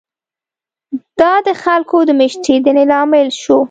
دا د خلکو د مېشتېدنې لامل شو.